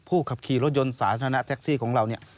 ขับขี่รถยนต์สาธารณะแท็กซี่ของเราเนี่ย